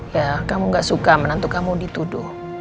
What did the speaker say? ya kamu gak suka menantu kamu dituduh